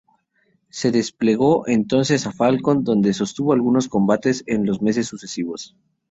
Se desplegó entonces a Falcón donde sostuvo algunos combates en los meses sucesivos.